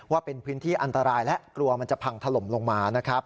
ว่าเป็นพื้นที่อันตรายและกลัวมันจะพังถล่มลงมานะครับ